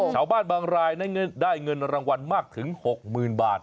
ชาวบ้านบางรายนั้นได้เงินรางวัลมากถึง๖๐๐๐บาท